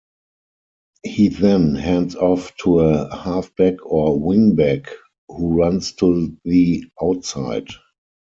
He then hands off to a halfback or wingback, who runs to the outside.